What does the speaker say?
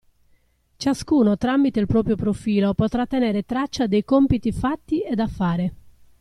Ciascuno tramite il proprio profilo potrà tenere traccia dei compiti fatti e da fare.